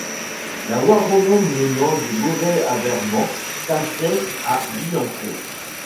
La voie romaine menant de Beauvais à Vermand passait à Billancourt.